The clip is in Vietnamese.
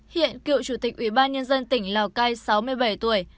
hiện cựu chủ tịch ủy ban nhân dân tỉnh lào cai sáu mươi bảy tuổi